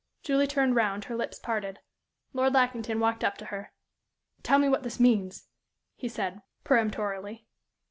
Julie turned round, her lips parted. Lord Lackington walked up to her. "Tell me what this means," he said, peremptorily.